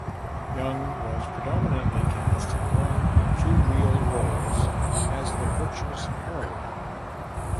Young was predominantly cast in one and two reel roles as the virtuous heroine.